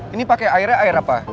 ini pakai airnya air apa